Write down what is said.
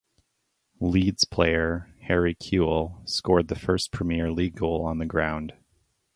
Leeds player Harry Kewell scored the first Premier League goal on the ground.